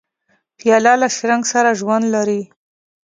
پیاله له شرنګ سره ژوند لري.